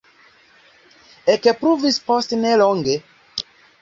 Ekpluvis post nelonge.